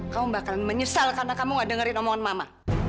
kamu bakal menyesal karena kamu gak dengerin omongan mama